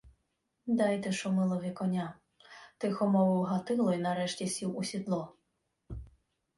— Дайте Шумилові коня, — тихо мовив Гатило й нарешті сів у сідло.